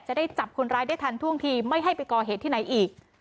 จะได้จับคนร้ายได้ทันท่วงทีไม่ให้ไปก่อเหตุที่ไหนอีก